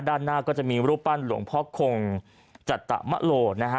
ด้านหน้าก็จะมีรูปปั้นหลวงพ่อคงจัตตะมะโลนะฮะ